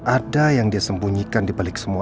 ada yang dia sembunyikan di balik semua